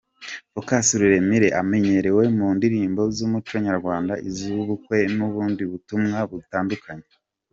Focus Ruremire amenyerewe mu ndirimbo z’umuco nyarwanda, iz’ubukwe n’ubundi butumwa butandukanye.